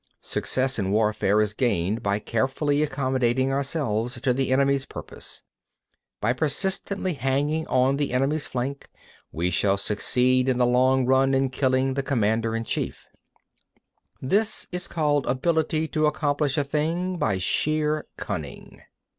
60. Success in warfare is gained by carefully accommodating ourselves to the enemy's purpose. 61. By persistently hanging on the enemy's flank, we shall succeed in the long run in killing the commander in chief. 62. This is called ability to accomplish a thing by sheer cunning.